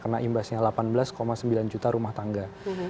kena imbasnya delapan belas sembilan juta rumah tangga